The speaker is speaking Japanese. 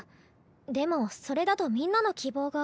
でもそれだとみんなの希望が。